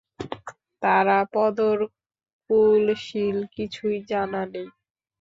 তারাপদর কুলশীল কিছুই জানা নেই।